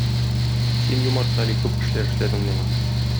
Син, юмарт Гали, күп эшләр эшләдең миңа.